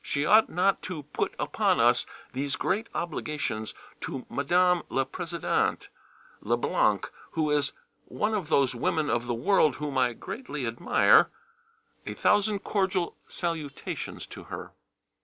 She ought not to put upon us these great obligations to Madame la présidente Le Blanc[A] who is one of those women of the world whom I greatly admire. A thousand cordial salutations to her.